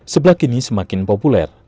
sebelak ini semakin populer